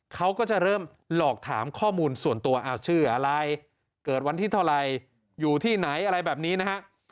เขาก็จะเริ่มหลอกถามข้อมูลส่วนตัวชื่ออะไรเกิดวันที่เท่าไรอยู่ที่ไหนอะไรแบบนี้นะฮะ